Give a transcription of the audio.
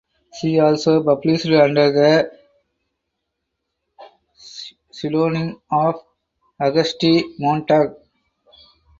She also published under the pseudonym of Auguste Montag.